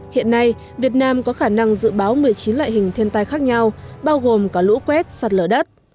hiện nay việt nam có khả năng dự báo một mươi chín loại hình thiên tai khác nhau bao gồm cả lũ quét sạt lở đất